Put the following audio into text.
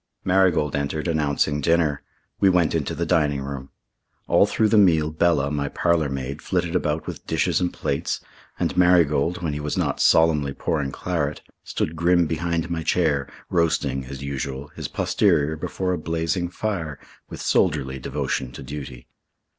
Marigold entered, announcing dinner. We went into the dining room. All through the meal Bella, my parlour maid, flitted about with dishes and plates, and Marigold, when he was not solemnly pouring claret, stood grim behind my chair, roasting, as usual, his posterior before a blazing fire, with soldierly devotion to duty.